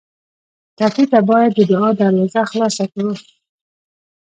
ټپي ته باید د دعا دروازه خلاصه کړو.